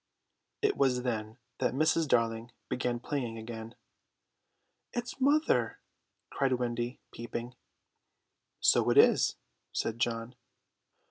It was then that Mrs. Darling began playing again. "It's mother!" cried Wendy, peeping. "So it is!" said John.